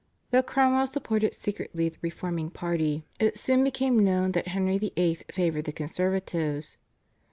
Though Cromwell supported secretly the reforming party it soon became known that Henry VIII. favoured the conservatives.